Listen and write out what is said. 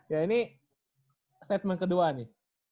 ya ini statement kedua nih